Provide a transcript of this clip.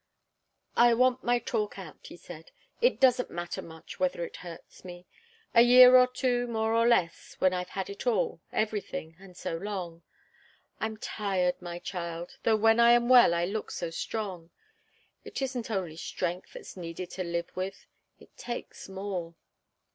"I want my talk out," he said. "It doesn't matter much whether it hurts me. A year or two, more or less, when I've had it all, everything, and so long. I'm tired, my child, though when I am well I look so strong. It isn't only strength that's needed to live with. It takes more."